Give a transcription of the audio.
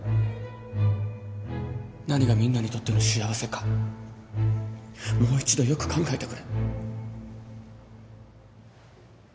何がみんなにとっての幸せかもう一度よく考えてくれ。